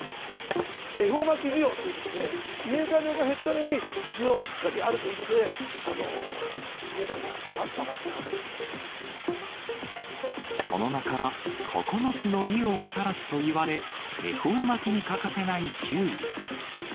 恵方巻き需要ということで、入荷量が減ったのに、需要がしっかりあるということで、その名から、９つの利をもたらすといわれ、恵方巻きに欠かせないきゅうり。